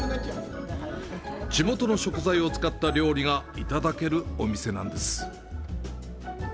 地元の食材を使った料理がいただけるお店なんです。